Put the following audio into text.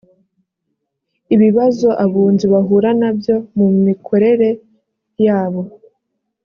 ibibazo abunzi bahura nabyo mu mikorere yabo